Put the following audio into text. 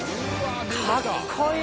かっこいい！